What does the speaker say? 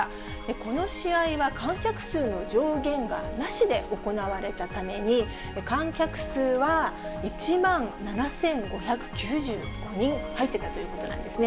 この試合は観客数の上限がなしで行われたために、観客数は１万７５９５人入ってたということなんですね。